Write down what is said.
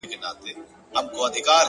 د ژمنتیا ځواک هدفونه ژوندۍ ساتي,